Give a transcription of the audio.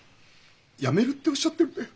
辞めるっておっしゃってるんだよ。